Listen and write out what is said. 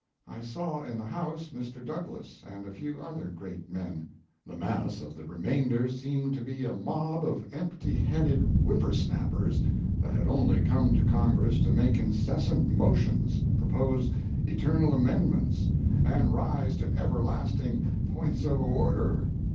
I saw in the House Mr. Douglas and a few other great men. The mass of the remainder seemed to be a mob of empty headed whipper snappers that had only come to Congress to make incessant motions, propose eternal amendments, and rise to everlasting points of order.